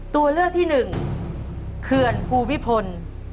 ตัวเลือกที่หนึ่งเขื่อนภูมิพล